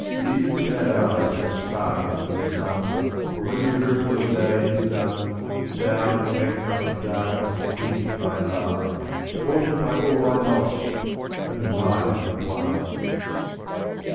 76 Even sad eyes must sparkle in the sun, But when the miracle of day is done, /s J . Down in a bankrupt darkness deep I lie, Haunted by all I lost — and might have won